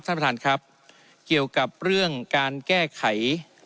ท่านประธานครับเกี่ยวกับเรื่องการแก้ไข